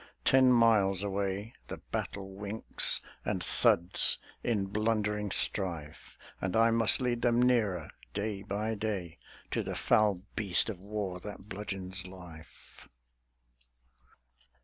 Ten miles away The battle winks and thuds in blundering strife. And I must lead them nearer, day by day, To the foul beast of war that bludgeons life.